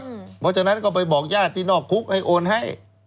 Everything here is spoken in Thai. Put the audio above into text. เพราะฉะนั้นก็ไปบอกญาติที่นอกคุกให้โอนให้